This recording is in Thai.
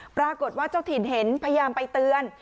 ปรากฏว่าเจ้าถิ่นเห็นพยายามไปเตือน